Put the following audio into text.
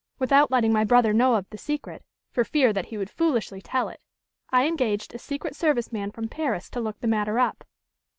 Without letting my brother know of the secret, for fear that he would foolishly tell it, I engaged a secret service man from Paris to look the matter up.